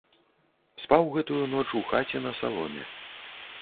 Спаў гэтую ноч у хаце на саломе.